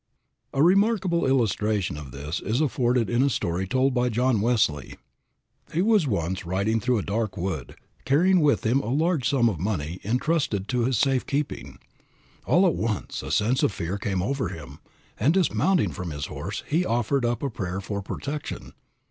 A remarkable illustration of this is afforded in a story told by John Wesley. He was once riding through a dark wood, carrying with him a large sum of money intrusted to his safe keeping. All at once a sense of fear came over him, and dismounting from his horse, he offered up a prayer for protection.